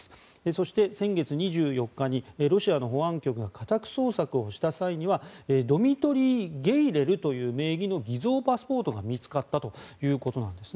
そして、先月２４日にロシアの保安局が家宅捜索をした際にはドミトリー・ゲイレルという名義の偽造パスポートが見つかったということなんです。